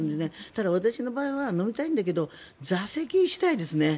ただ、私の場合は飲みたいんだけど座席次第ですね。